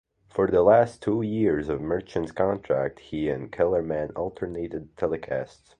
For the last two years of Merchant's contract he and Kellerman alternated telecasts.